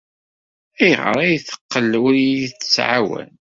Ayɣer ay teqqel ur iyi-tettɛawan?